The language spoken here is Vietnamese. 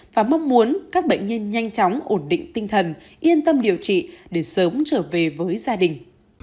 và mong muốn các bệnh nhân nhanh chóng ổn định tinh thần yên tâm điều trị để sớm trở về với gia đình